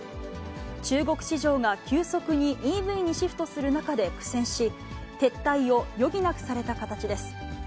中国市場が急速にＥＶにシフトする中で苦戦し、撤退を余儀なくされた形です。